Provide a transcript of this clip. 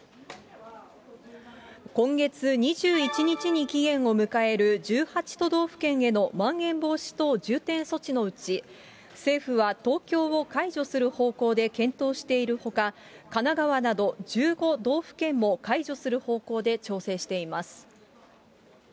今月２１日に期限を迎える１８都道府県へのまん延防止等重点措置のうち、政府は東京を解除する方向で検討しているほか、神奈川など１５道府県も解除する方向で調整しています。